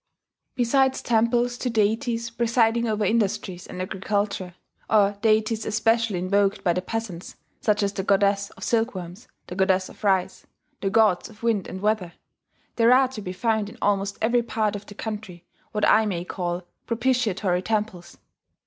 ] Besides temples to deities presiding over industries and agriculture, or deities especially invoked by the peasants, such as the goddess of silkworms, the goddess of rice, the gods of wind and weather, there are to be found in almost every part of the country what I may call propitiatory temples.